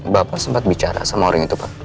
bapak sempat bicara sama orang itu pak